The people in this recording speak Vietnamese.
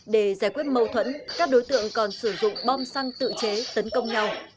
để giải quyết mâu thuẫn các đối tượng còn sử dụng bom xăng tự chế tấn công nhau